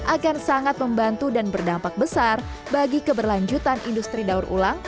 akan sangat membantu dan berdampak besar bagi keberlanjutan industri daur ulang